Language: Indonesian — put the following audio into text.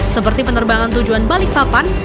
seperti penerbangan tujuan balik papan